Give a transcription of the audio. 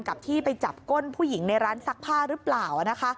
ที่ไปจับก้นผู้หญิงในร้านซักผ้าหรือเปล่านะคะ